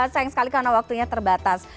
sayang sekali karena waktunya terbatas